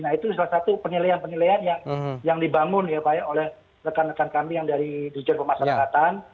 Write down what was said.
nah itu salah satu penilaian penilaian yang dibangun ya pak ya oleh rekan rekan kami yang dari dirjen pemasarakatan